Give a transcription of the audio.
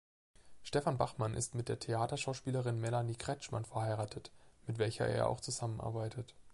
Stefan Bachmann ist mit der Theaterschauspielerin Melanie Kretschmann verheiratet, mit welcher er auch zusammenarbeitet.